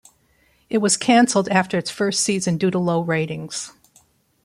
It was cancelled after its first season due to low ratings.